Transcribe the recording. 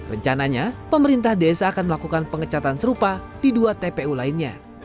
rencananya pemerintah desa akan melakukan pengecatan serupa di dua tpu lainnya